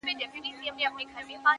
د خپلو هويتونو د ټاکلو لپاره